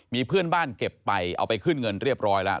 มีเพื่อนบ้านเก็บไปเอาไปขึ้นเงินเรียบร้อยแล้ว